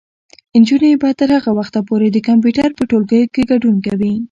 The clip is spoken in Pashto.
نجونې به تر هغه وخته پورې د کمپیوټر په ټولګیو کې ګډون کوي.